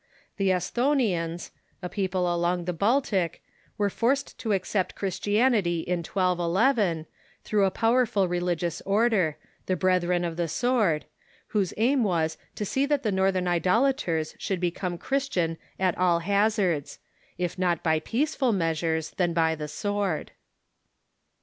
The Esthonians, a people along the Baltic^ were forced to accept Christianity in 1211, through a powerful religious order, the Brethren of the Sword, whose aim was to see that the Northern idolaters should become Christians at all hazards — if not by peaceful measures, then by the sword.